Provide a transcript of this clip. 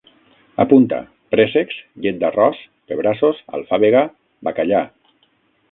Apunta: préssecs, llet d'arròs, pebrassos, alfàbega, bacallà